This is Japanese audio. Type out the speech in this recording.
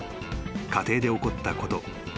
［家庭で起こったこと］